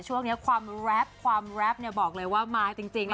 ช่วงเนี้ยความแรปความแรปเนี้ยบอกเลยว่ามาจริงจริงนะคะ